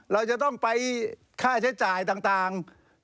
เราจะต้องไปค่าใช้จ่ายต่าง